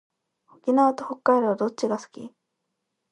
沖縄と北海道どっちが好き？